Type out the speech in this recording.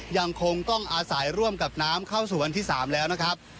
ยังคงต้องอาศัยร่วมกับน้ำเข้าสู่วันที่๓แล้วนะครับ